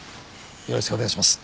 よろしくお願いします。